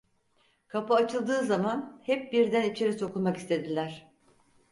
Kapı açıldığı zaman hep birden içeri sokulmak istediler.